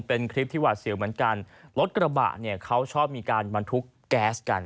เป็นคลิปที่หวาดเสียวเหมือนกันรถกระบะเนี่ยเขาชอบมีการบรรทุกแก๊สกัน